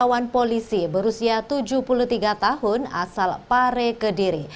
melawan polisi berusia tujuh puluh tiga tahun asal pare kediri